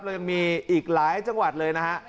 เรายังมีอีกหลายจังหวัดเลยนะฮะ